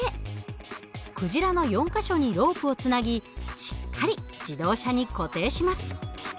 クジラの４か所にロープをつなぎしっかり自動車に固定します。